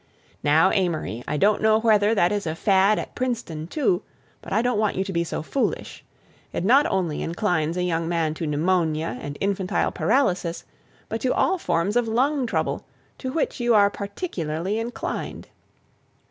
Now, Amory, I don't know whether that is a fad at Princeton too, but I don't want you to be so foolish. It not only inclines a young man to pneumonia and infantile paralysis, but to all forms of lung trouble, to which you are particularly inclined.